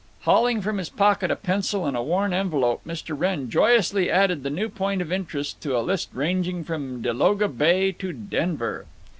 Hauling from his pocket a pencil and a worn envelope, Mr. Wrenn joyously added the new point of interest to a list ranging from Delagoa Bay to Denver.